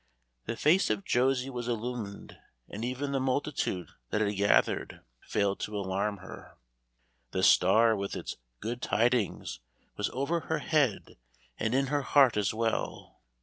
The face of Josie was illumined and even the multitude that had gathered, failed to alarm her. The star with its "good tidings" was over her head and in her heart as well.